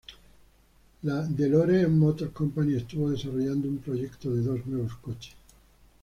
La DeLorean Motor Company estuvo desarrollando un proyecto de dos nuevos coches.